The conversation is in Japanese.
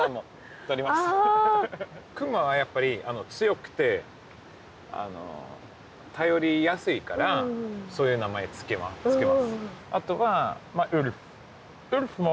熊はやっぱり強くて頼りやすいからそういう名前付けます。